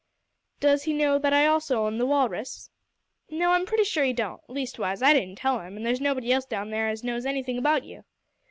"Does he know that I also own the Walrus." "No, I'm pretty sure he don't. Leastwise I didn't tell him, an' there's nobody else down there as knows anything about you."